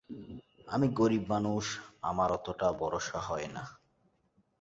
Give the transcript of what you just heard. আমি গরিব মানুষ, আমার অতটা ভরসা হয় না।